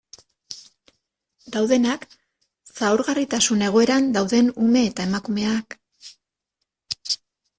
Daudenak, zaurgarritasun egoeran dauden ume eta emakumeak...